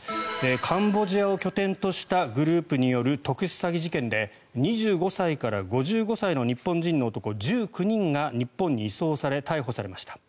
カンボジアを拠点としたグループによる特殊詐欺事件で２５歳から５５歳の日本人の男１９人が日本に移送され逮捕されました。